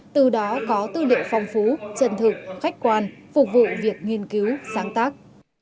từ đó có tư liệu phong phú chân thực khách quan phục vụ việc nghiên cứu sáng tác